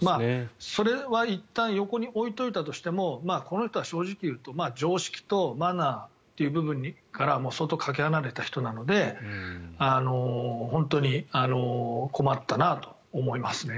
それはいったん横に置いておいたとしてもこの人は正直言うと常識とマナーという部分から相当かけ離れた人なので本当に、困ったなと思います。